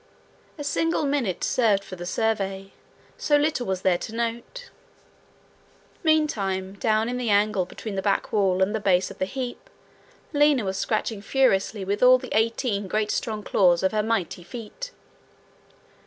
A single minute served for the survey, so little was there to note. Meantime, down in the angle between the back wall and the base of the heap Lina was scratching furiously with all the eighteen great strong claws of her mighty feet.